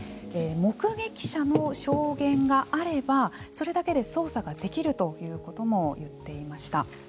目撃者の証言があればそれだけで捜査ができるということも言っていました。